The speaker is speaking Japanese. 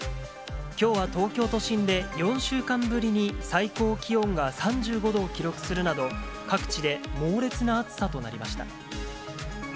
きょうは東京都心で４週間ぶりに最高気温が３５度を記録するなど、各地で猛烈な暑さとなりました。